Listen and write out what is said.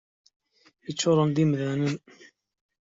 Yeččuren d imdanen.